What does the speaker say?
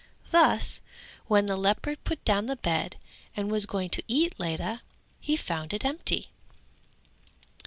Thus when the leopard put down the bed and was going to eat Ledha, he found it empty.